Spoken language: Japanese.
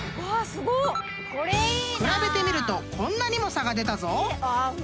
［比べてみるとこんなにも差が出たぞ］